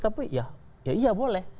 tapi ya ya boleh